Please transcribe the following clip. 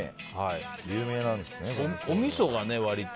おみそがね、割と。